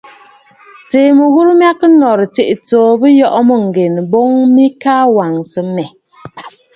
Tsuu mɨghurə mya kɨ nɔ̀rə̀, tsiʼì tsǒ bɨ yɔʼɔ mûŋgen, boŋ mɨ ka wàŋsə mmɛ̀.